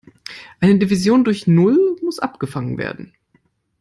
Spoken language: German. Eine Division durch Null muss abgefangen werden.